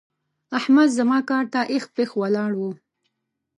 احمد زما کار ته اېښ پېښ ولاړ وو.